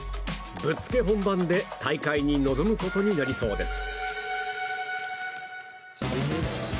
ぶっつけ本番で大会に臨むことになりそうです。